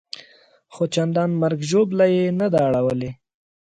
خو چندان مرګ ژوبله یې نه ده اړولې.